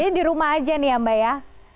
jadi di rumah aja nih ya mbak ya